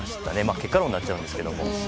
結果論になっちゃうんですけれども。